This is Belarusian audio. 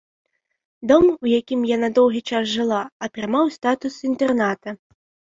Дом, у якім яна доўгі час жыла, атрымаў статус інтэрната.